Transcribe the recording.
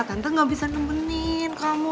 tante gak bisa nemenin kamu